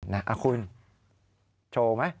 นักอาคุณโชว์ไหม